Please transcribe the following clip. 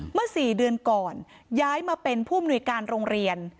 เมื่อ๔เดือนก่อนย้ายมาเป็นผู้มนุยการโรงเรียน